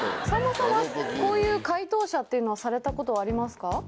さんまさんはこういう解答者っていうのはされたことありますか？